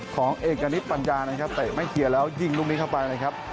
ของเอกนิปปัญญานะครับแต่ไม่คิดแล้วยิงลงนี้เข้าไปเลยครับ